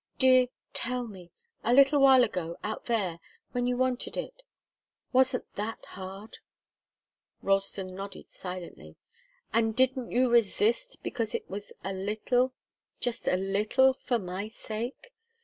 "Dear tell me! A little while ago out there when you wanted it wasn't that hard?" Ralston nodded silently. "And didn't you resist because it was a little just a little for my sake?